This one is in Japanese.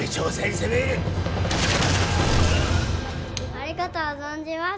ありがとう存じます